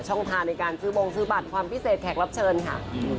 ทางในการซื้อบงซื้อบัตรความพิเศษแขกรับเชิญค่ะ